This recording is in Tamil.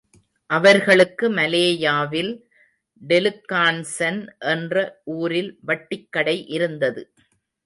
அவர்களுக்கு மலேயாவில் டெலுக்கான்சன் என்ற ஊரில் வட்டிக்கடை இருந்தது.